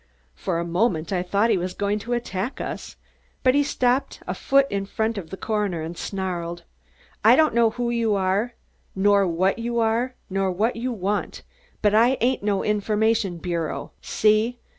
For a moment I thought he was going to attack us, but he stopped a foot in front of the coroner and snarled: "I don't know who you are, nor what you are, nor what you want, but I ain't no information bureau See?